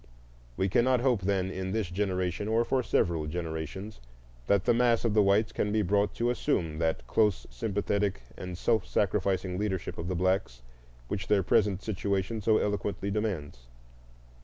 We cannot hope, then, in this generation, or for several generations, that the mass of the whites can be brought to assume that close sympathetic and self sacrificing leadership of the blacks which their present situation so eloquently demands.